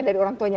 dari orang tuanya